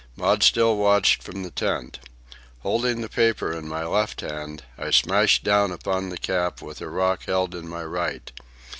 Maud still watched from the tent. Holding the paper in my left hand, I smashed down upon the cap with a rock held in my right.